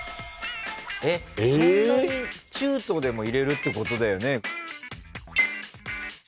中途でも入れるってことだよね。